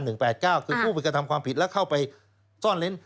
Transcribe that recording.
คือผู้ไปกระทำความผิดแล้วเข้าไปซ่อนเล้น